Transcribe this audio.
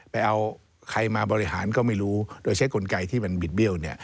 ไปเอาใครมาบริหารก็ไม่รู้โดยใช้กลไกที่มันบิดเบี้ยว